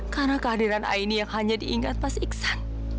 karena kehadiran aini yang hanya diingat mas iksan